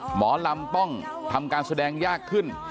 หมอลำต้องทำการแสดงยากขึ้น